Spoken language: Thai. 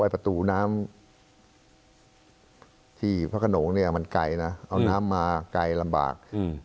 ประตูน้ำที่ฝากนะมันไกลนะเอาน้ำไกลลำบาก